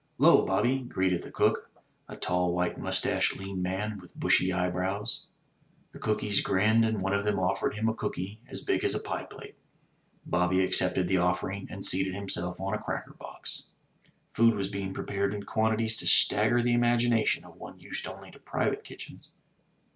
'*'Llo, Bobby," greeted the cook, a tall white moustached lean man with bushy eyebrows. The cookees grinned, and one of them offered him a cooky as big as a pie plate. Bobby accepted the offering, and seated himself on a cracker box. Food was being prepared in quantities to stagger the imagi nation of one used only to private kitchens.